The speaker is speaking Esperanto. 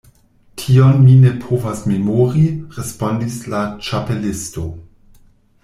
"Tion mi ne povas memori," respondis la Ĉapelisto.